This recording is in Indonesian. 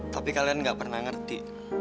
tapi kalian gak pernah ngerti